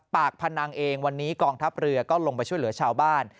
พนังเองวันนี้กองทัพเรือก็ลงไปช่วยเหลือชาวบ้าน